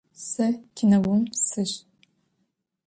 Сэ кинэум сыщ.